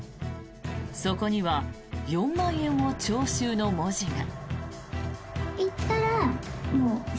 そこには４万円を徴収の文字が。